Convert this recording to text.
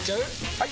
・はい！